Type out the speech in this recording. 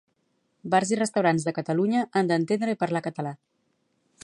Bars i restaurants de Catalunya han d'entendre i parlar català